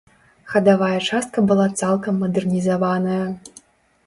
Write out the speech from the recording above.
Хадавая частка была цалкам мадэрнізаваная.